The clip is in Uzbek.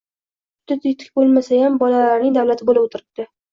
Juda tetik bo‘lmasayam, bolalarining davlati bo‘lib o‘tiribdi